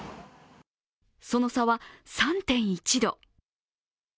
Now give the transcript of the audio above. その差は、３．１度。